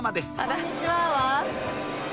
こんにちは。